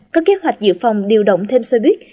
có kế hoạch dự phòng điều động thêm xe buýt